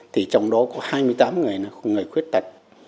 thì trong đó có hai mươi tám người là người khuyết tật